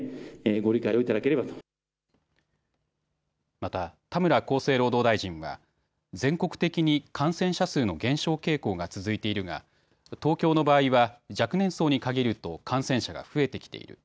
また田村厚生労働大臣は全国的に感染者数の減少傾向が続いているが東京の場合は若年層に限ると感染者が増えてきている。